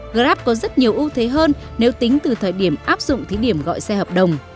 grab có rất nhiều ưu thế hơn nếu tính từ thời điểm áp dụng thí điểm gọi xe hợp đồng